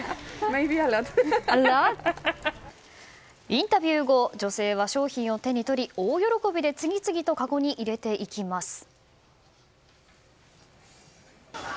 インタビュー後女性は商品を手に取り大喜びで次々とかごに入れていきます。